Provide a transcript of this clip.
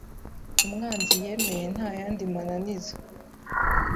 Umwanzi yemeye nta yandi mananiza.